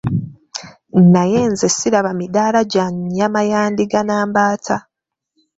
Naye nze siraba middaala gya nnyama ya ndiga na mbaata.